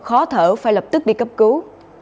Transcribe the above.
khó thở phải lập tức đi cấp cứu